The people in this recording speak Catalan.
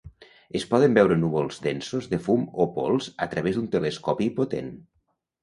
Es poden veure núvols densos de fum o pols a través d'un telescopi potent.